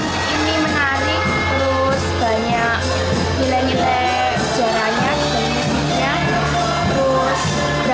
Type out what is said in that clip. ini menarik plus banyak nilai nilai sejarahnya musiknya